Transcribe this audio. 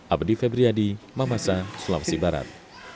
abdi febriadi mamasa sulawesi barat